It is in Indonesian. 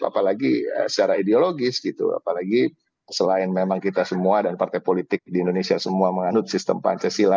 apalagi secara ideologis gitu apalagi selain memang kita semua dan partai politik di indonesia semua menganut sistem pancasila